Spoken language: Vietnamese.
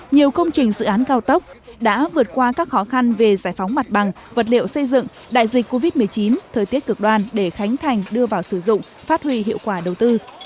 nhiều công trình dự án cao tốc đã vượt qua các khó khăn về giải phóng mặt bằng vật liệu xây dựng đại dịch covid một mươi chín thời tiết cực đoan để khánh thành đưa vào sử dụng phát huy hiệu quả đầu tư